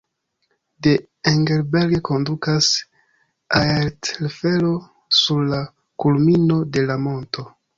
De Engelberg kondukas aertelfero sur la kulmino de la monto.